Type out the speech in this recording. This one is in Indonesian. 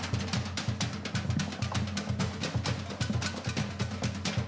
nanti kalau kita terlalu jauh